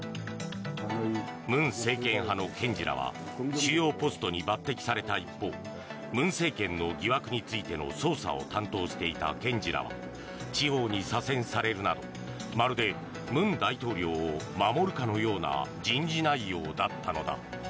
文政権派の検事らは主要ポストに抜てきされた一方文政権の疑惑についての捜査を担当していた検事らは地方に左遷されるなどまるで文在寅大統領を守るかのような人事内容だったのだ。